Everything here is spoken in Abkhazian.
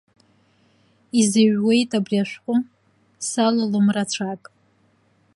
Изыҩуеит абри ашәҟәы, салалом рацәак.